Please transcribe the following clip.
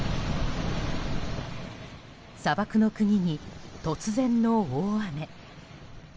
砂漠の国に突然の大雨。